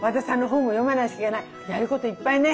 やることいっぱいね。